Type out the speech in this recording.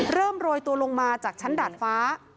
โรยตัวลงมาจากชั้นดาดฟ้า